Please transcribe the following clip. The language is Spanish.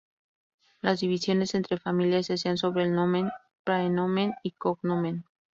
Las divisiones entre familias se hacían sobre el nomen, praenomen, y cognomen.